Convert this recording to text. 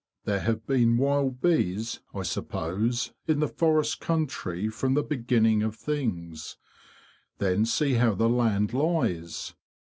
There have been wild bees, I suppose, in the forest country from the beginning of things. Then see how the land lies.